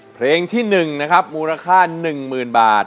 เพลงที่๑นะครับมูลค่า๑๐๐๐บาท